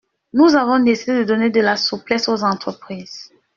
Nous avons décidé de donner de la souplesse aux entreprises.